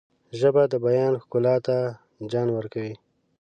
ژبه د بیان ښکلا ته جان ورکوي